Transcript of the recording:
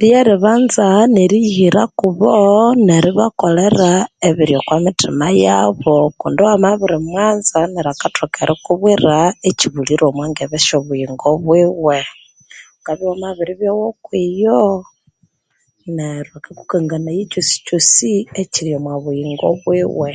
Lyeribanza neriyihirakubo neribakolera ebiri okwa mithima yabo kundi wamabiri mwanza neryo akathoka erikubwira ekyibulire omwa ngebe syo obuyingo bwiwe. Wukabya iwama biribya owokwiyo neryo akakukanganaya ekyosi kyosi ekyiri omwa buyingo bwiwe.